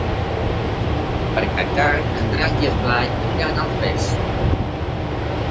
Per Cap d'Any en Drac i en Blai aniran a Alfés.